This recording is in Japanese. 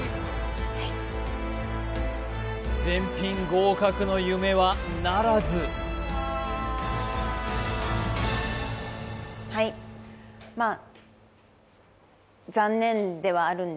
はい全品合格の夢はならずまあ